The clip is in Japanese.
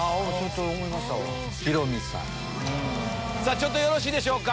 ちょっとよろしいでしょうか。